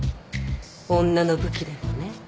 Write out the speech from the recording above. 女の武器でもね。